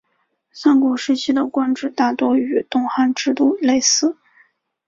三国时期的官制大多与东汉制度类似。